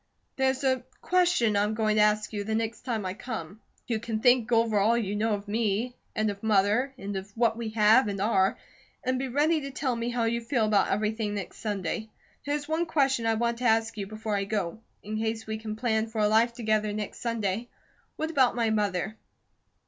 There's a question I'm going to ask you the next time I come. You can think over all you know of me, and of Mother, and of what we have, and are, and be ready to tell me how you feel about everything next Sunday. There's one question I want to ask you before I go. In case we can plan for a life together next Sunday, what about my mother?"